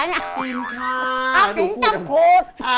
แม่ก็ดูมา